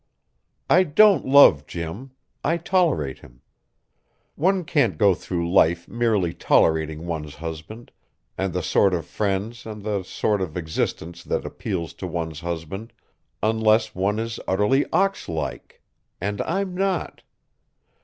I don't love Jim; I tolerate him. One can't go through life merely tolerating one's husband, and the sort of friends and the sort of existence that appeals to one's husband, unless one is utterly ox like and I'm not.